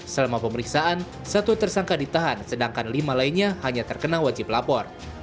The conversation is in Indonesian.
selama pemeriksaan satu tersangka ditahan sedangkan lima lainnya hanya terkena wajib lapor